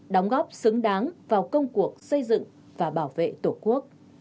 đóng góp xứng đáng vào công cuộc xây dựng và bảo vệ tổ quốc